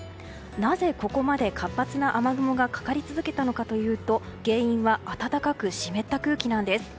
なぜ、ここまで活発な雨雲がかかり続けたのかというと原因は暖かく湿った空気なんです。